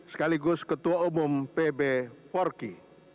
sekaligus ketua umum pb forki